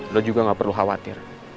lo juga gak perlu khawatir